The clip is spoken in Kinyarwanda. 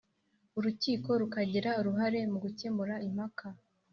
Urukiko rukagira uruhare mu gukemura impakai